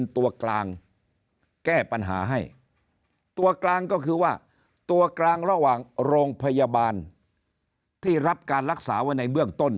ตัวกลางก็คือว่าตัวกลางระหว่างโรงพยาบาลที่รับการรักษาไว้ในเมื่องต้น